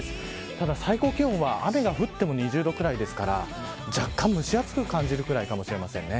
ただ、最高気温は雨が降っても２０度くらいですから若干蒸し暑く感じるかもしれません。